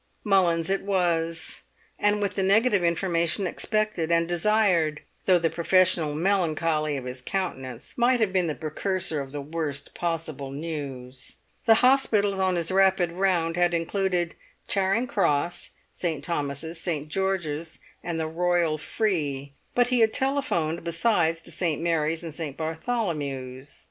Mullins it was, and with the negative information expected and desired, though the professional melancholy of his countenance might have been the precursor of the worst possible news. The hospitals on his rapid round had included Charing Cross, St. Thomas's, St. George's, and the Royal Free; but he had telephoned besides to St. Mary's and St. Bartholomew's.